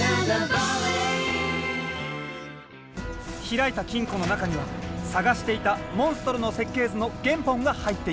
開いた金庫の中にはさがしていたモンストロの設計図の原本が入っていました。